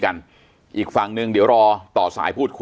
อันดับสุดท้าย